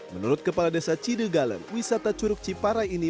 menurut kepala desa cidugalen wisata curug ciparai ini